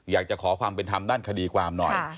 อยากจะขอความเป็นธรรมด้านคดีความหน่อย